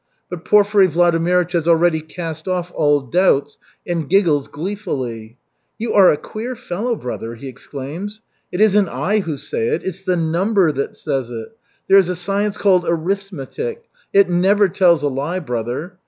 But Porfiry Vladimirych has already cast off all doubts and giggles gleefully. "You are a queer fellow, brother!" he exclaims. "It isn't I who say it, it's the number that says it. There is a science called arithmetic. It never tells a lie, brother!